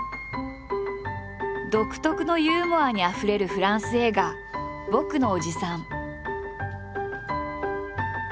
独特のユーモアにあふれるフランス映画「ぼくの伯父さん」。